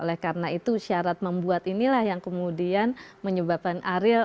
oleh karena itu syarat membuat inilah yang kemudian menyebabkan ariel